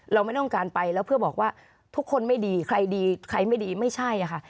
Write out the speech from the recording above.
เราไม่ต้องการไปแล้วเพื่อบอกว่าทุกคนไม่ดีใครดีใครไม่ดีไม่ใช่ค่ะ